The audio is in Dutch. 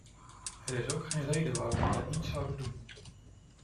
Er is ook geen reden waarom we dat niet zouden doen.